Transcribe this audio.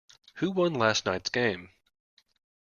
Who won last night's game?